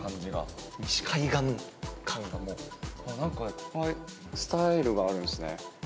いっぱいスタイルがあるんすね。